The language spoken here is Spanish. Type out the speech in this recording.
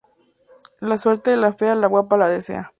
La suerte de la fea, la guapa la desea